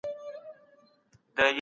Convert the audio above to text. خپل اخلاقي اصول په کلکه وساتئ.